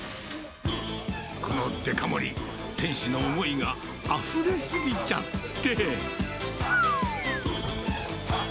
このデカ盛り、店主の思いがあふれ過ぎちゃって。